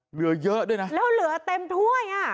เหลือเยอะด้วยนะแล้วเหลือเต็มถ้วยอ่ะ